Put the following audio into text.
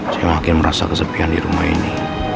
saya makin merasa kesepian di rumah ini